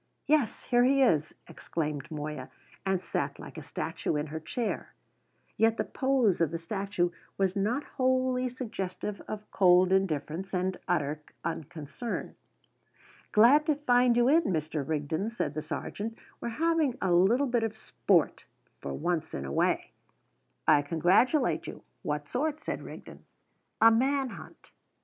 "Yes, here he is!" exclaimed Moya, and sat like a statue in her chair. Yet the pose of the statue was not wholly suggestive of cold indifference and utter unconcern. "Glad to find you in, Mr. Rigden," said the sergeant. "We're having a little bit of sport, for once in a way." "I congratulate you. What sort?" said Rigden. "A man hunt!"